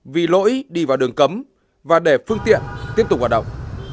vì lỗi đi vào đường cấm và để phương tiện tiếp tục hoạt động